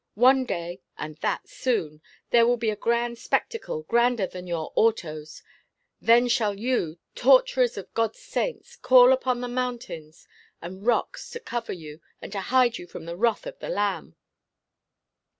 One day, and that soon, there will be a grand spectacle, grander than your Autos. Then shall you, torturers of God's saints, call upon the mountains and rocks to cover you, and to hide you from the wrath of the Lamb."